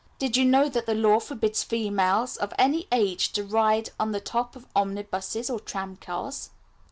"Did you know that the law forbids females of any age to ride on the top of omnibuses or tramcars?"